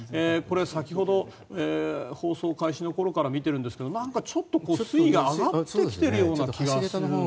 先ほど、放送開始の頃から見ているんですがなんかちょっと水位が上がってきているような気が。